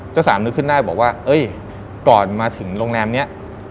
เจ้าสามนึกขึ้นได้บอกว่าเอ้ยก่อนมาถึงโรงแรมนี้